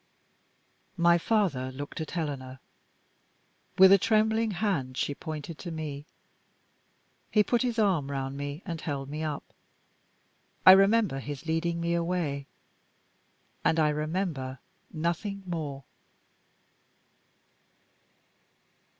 My father looked at Helena. With a trembling hand she pointed to me. He put his arm round me and held me up. I remember his leading me away and I remember nothing more.